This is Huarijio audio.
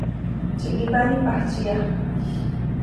Čiʼrípani pahčía.